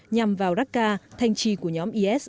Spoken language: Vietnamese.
nhằm vào raqqa thanh trì của nhóm is